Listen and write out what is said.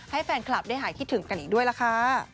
ให้แฟนคลับได้หายคิดถึงกันอีกด้วยล่ะค่ะ